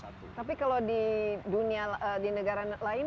tapi kalau di negara lain